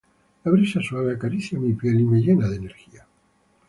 La brisa suave acaricia mi piel y me llena de energía.